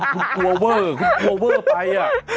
คุณกลัวเวอร์คุณกลัวเวอร์ไป